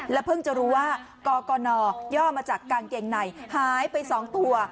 เพิ่งจะรู้ว่ากกนย่อมาจากกางเกงในหายไป๒ตัว